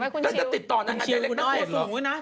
ก็จะติดต่อนั่นแดล็กตัวเอง